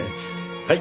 はい。